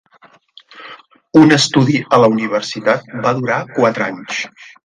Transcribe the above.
Un estudi a la universitat va durar quatre anys.